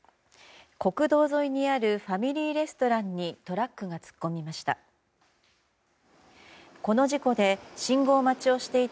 国道沿いにあるファミリーレストランにトラックが突っ込みました。